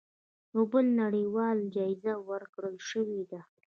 د نوبل نړیواله جایزه ورکړی شوې ده.